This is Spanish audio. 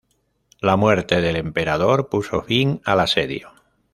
La muerte del emperador puso fin al asedio.